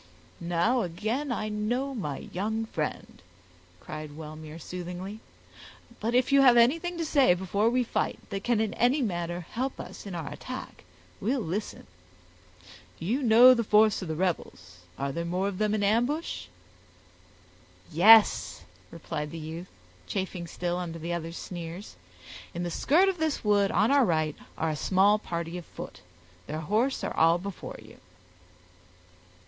"Now again I know my young friend," cried Wellmere, soothingly; "but if you have anything to say before we fight, that can in any manner help us in our attack, we'll listen. You know the force of the rebels; are there more of them in ambush?" "Yes," replied the youth, chafing still under the other's sneers, "in the skirt of this wood on our right are a small party of foot; their horse are all before you."